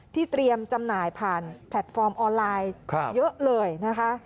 เตรียมจำหน่ายผ่านแพลตฟอร์มออนไลน์เยอะเลยนะคะ